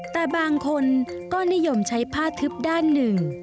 แต่บางคนก็นิยมใช้ผ้าทึบด้านหนึ่ง